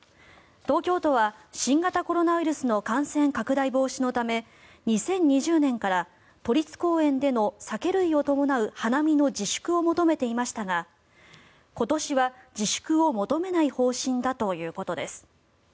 東京都は新型コロナウイルスの感染拡大防止のため２０２０年から都立公園での酒類を伴う花見の自粛を求めていましたが今年は自粛を求めない方針だということです。